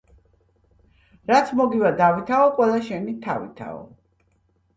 რაც მოგივა დავითაო ყველა შენი თავითაო